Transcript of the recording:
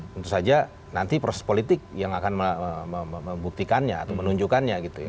tentu saja nanti proses politik yang akan membuktikannya atau menunjukkannya gitu ya